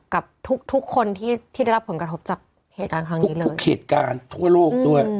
กับทุกทุกคนที่ที่ได้รับผลกระทบจากเหตุการณ์ครั้งนี้เลยทุกเหตุการณ์ทั่วโลกด้วย